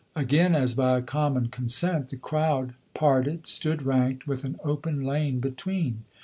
Again, as by a common consent, the crowd parted, stood ranked, with an open lane between.